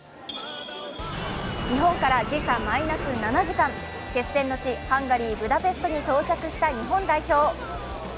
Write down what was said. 日本から時差マイナス７時間決戦の地、ハンガリー・ブダペストに到着した日本代表。